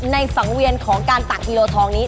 ในฝังเวียนของการต่างทีโลทองนี้